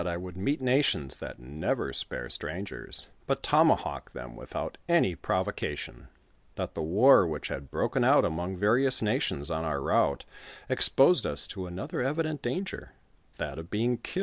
ip'tt we would meet nations that never spare strangers, 1 it tomaliawk tliera without any provocation ; that the war which had broken out among various nations on our urte, exposed us to another evident danger — that of being Iv.